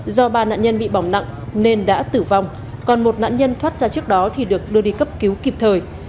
do ba nạn nhân bị bỏng nặng nên đã tử vong còn một nạn nhân thoát ra trước đó thì được đưa đi cấp cứu kịp thời